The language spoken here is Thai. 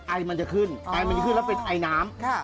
ไอมันจะขึ้นไอมันจะขึ้นแล้วเป็นไอน้ำ